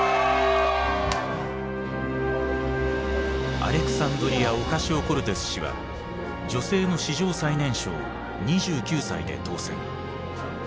アレクサンドリア・オカシオ＝コルテス氏は女性の史上最年少２９歳で当選。